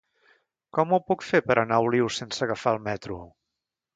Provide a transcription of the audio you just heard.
Com ho puc fer per anar a Olius sense agafar el metro?